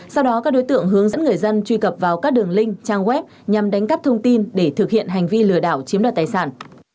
sau đó các đối tượng hướng dẫn người dân truy cập vào các đường link trang web nhằm đánh cắp thông tin để thực hiện hành vi lừa đảo chiếm đoạt tài sản